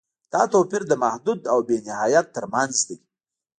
دا توپیر د محدود او بې نهایت تر منځ دی.